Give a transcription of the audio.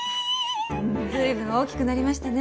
随分大きくなりましたね。